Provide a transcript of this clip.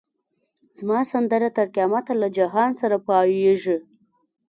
زما سندره تر قیامته له جهان سره پاییږی